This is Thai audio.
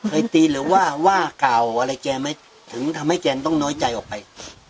ตีหรือว่าว่ากล่าวอะไรแกไหมถึงทำให้แกต้องน้อยใจออกไป